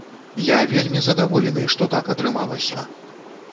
Я вельмі задаволены, што так атрымалася.